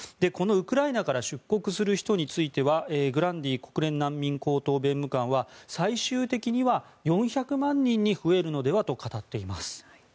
このウクライナから出国する人についてはグランディ国連難民高等弁務官は最終的には４００万人に増えるのではと語っています。